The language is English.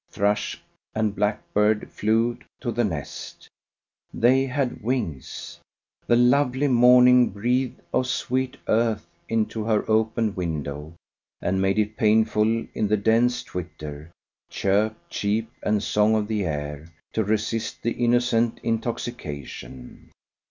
Thrush and blackbird flew to the nest. They had wings. The lovely morning breathed of sweet earth into her open window, and made it painful, in the dense twitter, chirp, cheep, and song of the air, to resist the innocent intoxication.